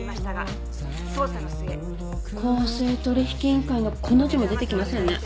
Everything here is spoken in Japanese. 公正取引委員会の「こ」の字も出てきませんね。